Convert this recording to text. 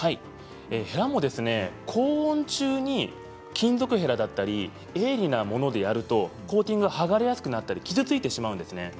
へらも高温中に金属へらや鋭利のものであるとコーティングが剥がれやすくなったり傷ついてしまいます。